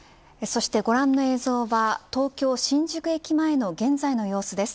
そして、ご覧の映像は東京、新宿駅前の現在の様子です。